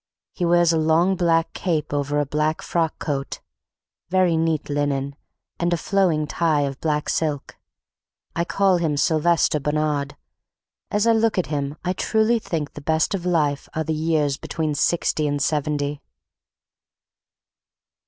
He wears a long black cape over a black frock coat, very neat linen, and a flowing tie of black silk. I call him "Silvester Bonnard". As I look at him I truly think the best of life are the years between sixty and seventy.